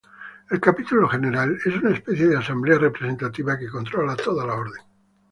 El capítulo general es una especie de asamblea representativa que controla toda la orden.